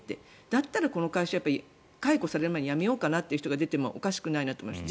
だったらこの会社解雇される前に辞めようかと思う人がいてもおかしくないなと思います。